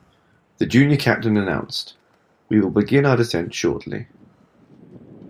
The junior captain announced, "We will begin our descent shortly".